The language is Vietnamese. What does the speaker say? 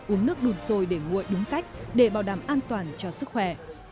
uống nước đun sôi để nguội đúng cách để bảo đảm an toàn cho sức khỏe